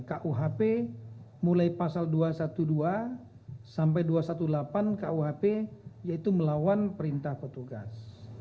kuhp mulai pasal dua ratus dua belas sampai dua ratus delapan belas kuhp yaitu melawan perintah petugas